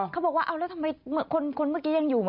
เขาบอกว่าเอาแล้วทำไมคนเมื่อกี้ยังอยู่ไหม